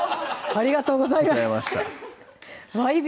ありがとうございます